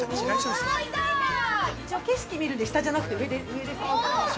◆一応、景色見るんで下じゃなくて上ですね。